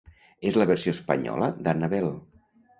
És la versió espanyola d'Annabel.